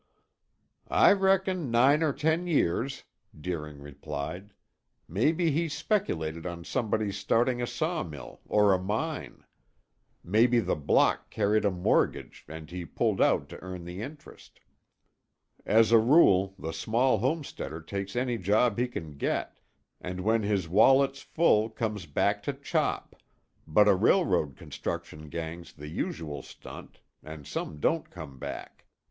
"I reckon nine or ten years," Deering replied. "Maybe he speculated on somebody's starting a sawmill or a mine. Maybe the block carried a mortgage and he pulled out to earn the interest. As a rule, the small homesteader takes any job he can get, and when his wallet's full comes back to chop, but a railroad construction gang's the usual stunt and some don't come back.